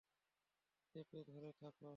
চেপে ধরে থাকো।